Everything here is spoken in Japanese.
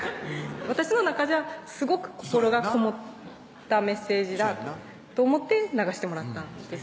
私の中じゃすごく心がこもったメッセージだと思って流してもらったんです